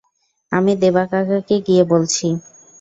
আমি দেবা কাকাকে গিয়ে বলছি।